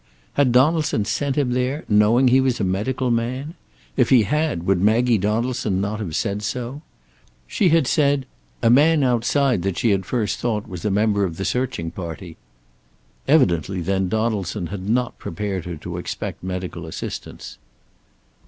Had Donaldson sent him there, knowing he was a medical man? If he had, would Maggie Donaldson not have said so? She had said "a man outside that she had at first thought was a member of the searching party." Evidently, then, Donaldson had not prepared her to expect medical assistance.